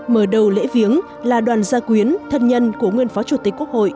mở đầu lễ viếng là đoàn gia quyến thân nhân của nguyên phó chủ tịch quốc hội